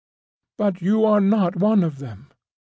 But you are not one of them!